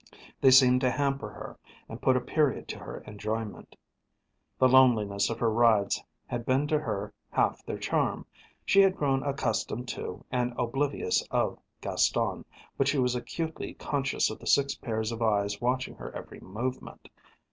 They seemed to hamper her and put a period to her enjoyment. The loneliness of her rides had been to her half their charm; she had grown accustomed to and oblivious of Gaston, but she was acutely conscious of the six pairs of eyes watching her every movement.